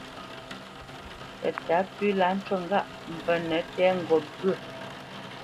Pətǎ pʉ láʼ ncú ŋgâʼ : mvənə tɛ́ ŋgot ghyə̂.